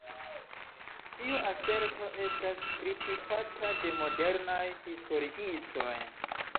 Tiu aserto estas kritikata de modernaj historiistoj.